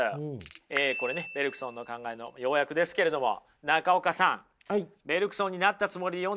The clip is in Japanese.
これねベルクソンの考えの要約ですけれども中岡さんベルクソンになったつもりで読んでみていただけますか。